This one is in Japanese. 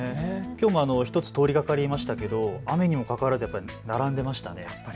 きょうも１つ、通りがかりましたけれど雨にもかかわらず並んでいましたね。